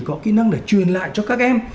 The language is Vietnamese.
có kỹ năng để truyền lại cho các em